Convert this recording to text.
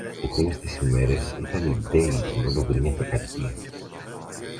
Εκείνες τις μέρες ήταν η Ντέιζη όλο γκρίνια και κακία